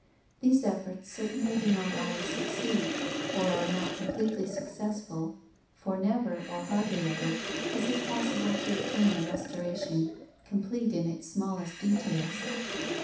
These efforts certainly do not always succeed, or are not completely successful, for never, or hardly ever, is it possible to obtain a restoration complete in its smallest details.